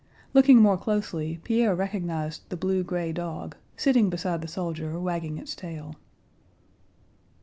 Looking more closely Pierre recognized the blue gray dog, sitting beside the soldier, wagging its tail.